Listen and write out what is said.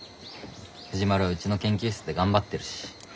藤丸うちの研究室で頑張ってるし。